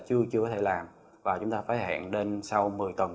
chúng ta chưa có thể làm và chúng ta phải hẹn đến sau một mươi tuần